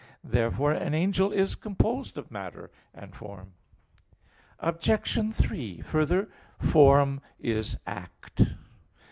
Therefore an angel is composed of matter and form. Obj. 3: Further, form is act.